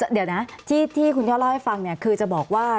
เดี๋ยวนะที่คุณยอดเล่าให้ฟังเนี่ยคือจะบอกว่า